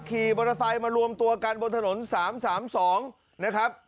ขี่มอเตอร์ไซค์มารวมตัวกันบนถนน๓๓๒นะครับ